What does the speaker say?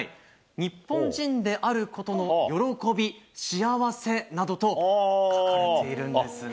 日本人であることの喜び幸せなどと書かれているんですね。